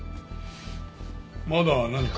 まだ何か？